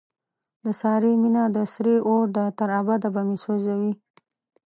د سارې مینه د سرې اورده، تر ابده به مې سو ځوي.